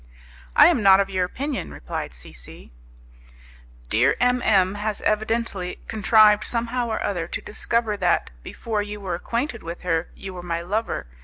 "I am not of your opinion," replied C C . "My dear M M has evidently contrived, somehow or other, to discover that, before you were acquainted with her, you were my lover.